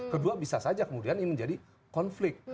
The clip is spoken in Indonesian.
kedua bisa saja kemudian ini menjadi konflik